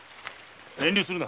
遠慮するな。